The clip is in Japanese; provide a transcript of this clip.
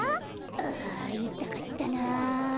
あいたかったな。